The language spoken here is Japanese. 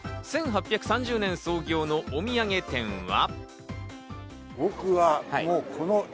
１８３０年創業のお土産店は。